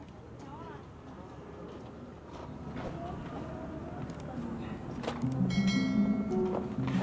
ya tidak gitu